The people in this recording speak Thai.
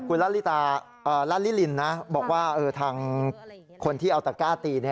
คุณลาลิลินนะบอกว่าทางคนที่เอาตะก้าตี